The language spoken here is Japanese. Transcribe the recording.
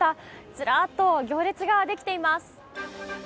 ずらっと行列ができています。